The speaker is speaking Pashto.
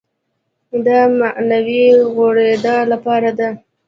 دا معنوي غوړېدا لپاره ده.